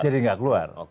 jadi nggak keluar